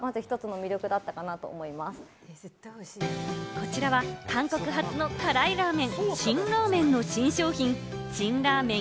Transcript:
こちらは韓国発の辛いラーメン、辛ラーメンの新商品、辛ラーメン